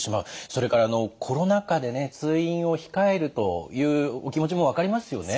それからコロナ禍でね通院を控えるというお気持ちも分かりますよね。